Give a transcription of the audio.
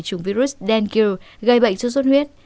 chủng virus dengue gây bệnh suất huyết